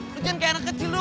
lo jangan kayak anak kecil lo